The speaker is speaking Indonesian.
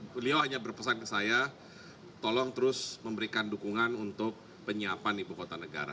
beliau hanya berpesan ke saya tolong terus memberikan dukungan untuk penyiapan ibu kota negara